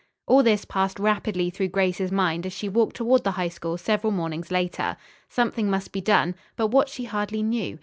All this passed rapidly through Grace's mind as she walked toward the High School several mornings later. Something must be done, but what she hardly knew.